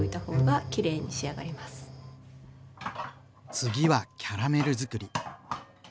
次はキャラメルづくり。